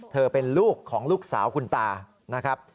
เป็นลูกของลูกสาวคุณตานะครับ